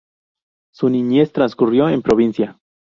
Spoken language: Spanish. Su niñez transcurrió en provincia.